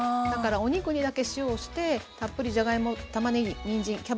だからお肉にだけ塩をしてたっぷりじゃがいもたまねぎにんじん